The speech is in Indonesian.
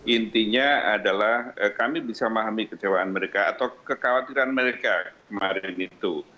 intinya adalah kami bisa memahami kecewaan mereka atau kekhawatiran mereka kemarin itu